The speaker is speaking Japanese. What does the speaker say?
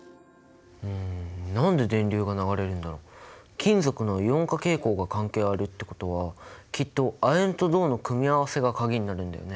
金属のイオン化傾向が関係あるってことはきっと亜鉛と銅の組み合わせが鍵になるんだよね。